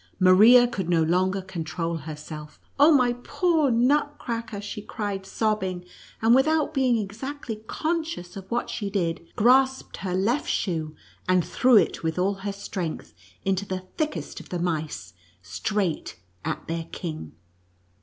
Maria could no longer control herself. " Oh, my poor Nutcracker I" she cried, sobbing, and without being exactly conscious of what she did, grasped her left shoe, and threw it with all her strength into the thickest of the mice, straight at their kingf.